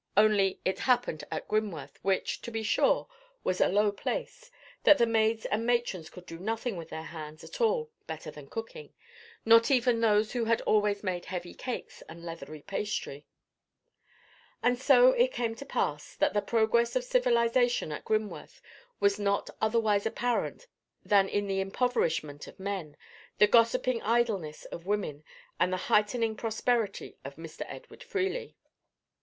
Only it happened at Grimworth, which, to be sure, was a low place, that the maids and matrons could do nothing with their hands at all better than cooking: not even those who had always made heavy cakes and leathery pastry. And so it came to pass, that the progress of civilization at Grimworth was not otherwise apparent than in the impoverishment of men, the gossiping idleness of women, and the heightening prosperity of Mr. Edward Freely.